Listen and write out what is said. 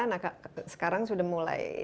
nah sekarang sudah mulai